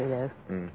うん。